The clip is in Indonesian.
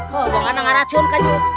bukan ada yang racun kak jut